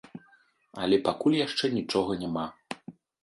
Але пакуль яшчэ нічога няма.